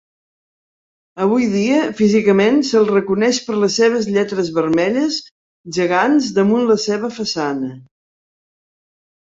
Avui dia, físicament se'l reconeix per les seves lletres vermelles gegants damunt la seva façana.